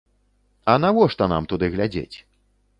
А навошта нам туды глядзець?!